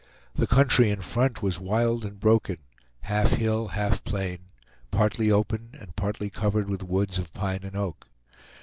The country in front was wild and broken, half hill, half plain, partly open and partly covered with woods of pine and oak.